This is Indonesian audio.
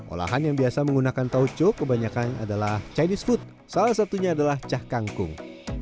olahan yang biasa menggunakan tauco kebanyakan adalah chinese food salah satunya adalah cah kangkung